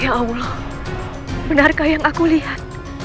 ya allah benarkah yang aku lihat